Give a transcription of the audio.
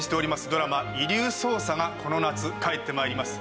ドラマ『遺留捜査』がこの夏帰って参ります。